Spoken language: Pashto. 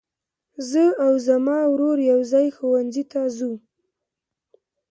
زه او زما ورور يوځای ښوونځي ته ځو.